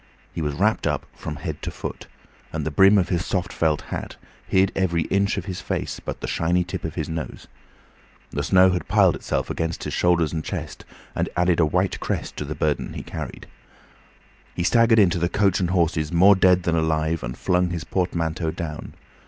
He was wrapped up from head to foot, and the brim of his soft felt hat hid every inch of his face but the shiny tip of his nose; the snow had piled itself against his shoulders and chest, and added a white crest to the burden he carried. He staggered into the "Coach and Horses" more dead than alive, and flung his portmanteau down.